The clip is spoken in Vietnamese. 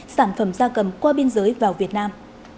sản phẩm da cầm qua biên giới vào việt nam